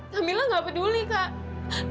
kak mila tidak peduli kak